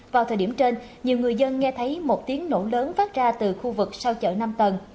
vào thời điểm trên nhiều người dân nghe thấy một tiếng nổ lớn phát ra từ khu vực sau chợ năm tầng